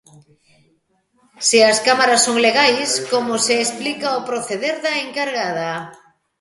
Se as cámaras son legais, como se explica o proceder da encargada.